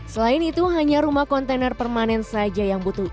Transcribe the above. selain itu hanya rumah kontainer permanen saja yang butuh